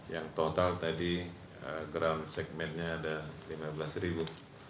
yang total tadi ground segmennya ada lima belas ribu